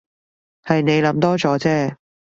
係你諗多咗啫